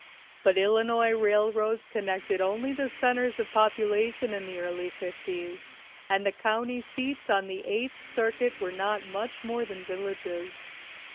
But Illinois railroads connected only the cen ters of population in the early fifties, and the county seats on the Eighth Circuit were not much more than villages.